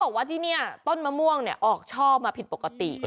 บอกว่าที่นี่ต้นมะม่วงออกช่อมาผิดปกติ